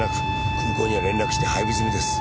空港には連絡して配備済みです。